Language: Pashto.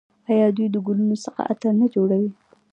آیا دوی د ګلونو څخه عطر نه جوړوي؟